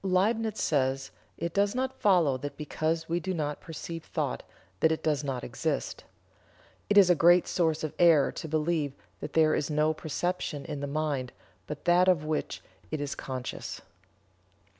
Liebnitz says: "It does not follow that because we do not perceive thought that it does not exist. It is a great source of error to believe that there is no perception in the mind but that of which it is conscious."